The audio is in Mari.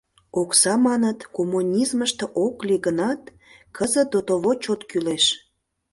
Окса, маныт, коммунизмыште ок лий гынат, кызыт дотово чот кӱлеш.